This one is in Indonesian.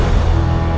seperti saya sekarang